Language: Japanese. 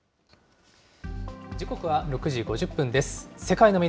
時刻は６時５０分です。